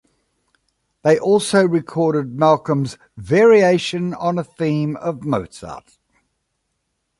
They also recorded Malcolm's "Variations on a Theme of Mozart".